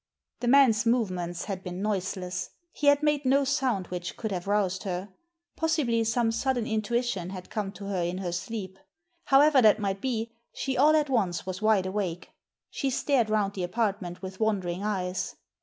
The man's movements had been noiseless. He had made no sound which could have roused her. Possibly some sudden intuition had come to her in her sleep. However that might be, she all at once was wide awake. She stared round the apartment with wondering eyes.